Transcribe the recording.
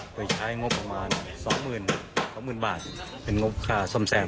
โดยใช้งบประมาณสองหมื่นสองหมื่นบาทเป็นงบค่าซ่อมแซ่ม